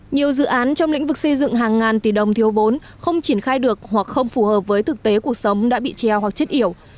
nhiều dự án trong lĩnh vực xây dựng hàng ngàn tỷ đồng thiếu vốn không triển khai được hoặc không phù hợp với thực tế cuộc sống đã bị treo hoặc chết yểu